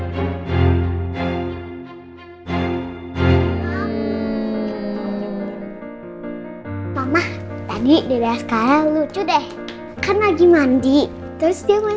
terima kasih sama mama